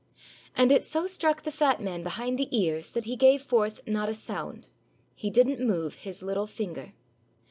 And it so struck the fat man behind the ears that he gave forth not a sound; he did n't move his little finger.